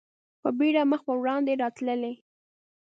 په بېړه مخ په وړاندې راتللې.